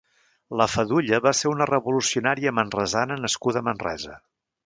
La Fadulla va ser una revolucionària manresana nascuda a Manresa.